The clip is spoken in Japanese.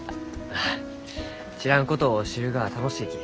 ああ知らんことを知るがは楽しいき。